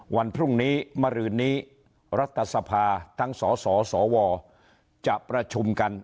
วันพรุ่งนี้มารืนนี้รัฐสภาทั้งสสสวจะประชุมกัน